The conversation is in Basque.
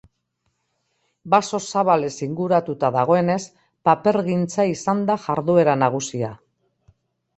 Baso zabalez inguratuta dagoenez papergintza izan da jarduera nagusia.